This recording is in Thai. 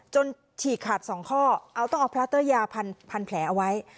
ฉีกขาด๒ข้อเอาต้องเอาพลาสเตอร์ยาพันแผลเอาไว้